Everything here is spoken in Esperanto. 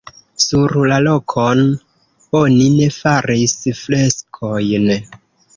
Sur la rokon oni ne faris freskojn.